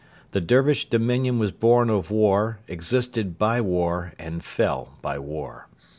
The Dervish dominion was born of war, existed by war, and fell by war.